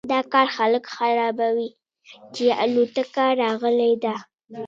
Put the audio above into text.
دا کار خلک خبروي چې الوتکه راغلی ده